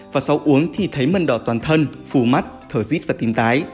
và sau uống thì thấy mần đỏ toàn thân phù mắt thở dít và tím tái